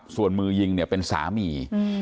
ส่วนมือยิงเนี่ยเป็นสามี